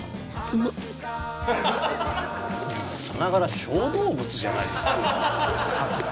さながら小動物じゃないですか。